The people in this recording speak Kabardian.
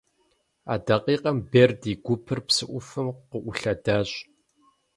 А дакъикъэм Берд и гупыр псы ӏуфэм къыӏулъэдащ.